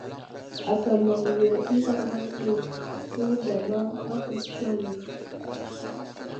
Ata maŋ yo ənta mbaŋ yo tewuda ma á kwaskwa ge.